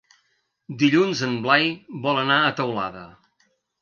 Dilluns en Blai vol anar a Teulada.